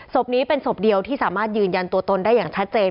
ศพนี้เป็นศพเดียวที่สามารถยืนยันตัวตนได้อย่างชัดเจน